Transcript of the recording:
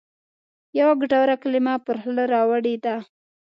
یوه ګټوره کلمه پر خوله راوړې ده.